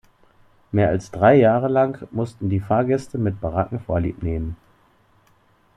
Mehr als drei Jahre lang mussten die Fahrgäste mit Baracken vorlieb nehmen.